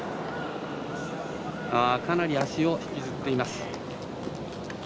かなり足を引きずっています。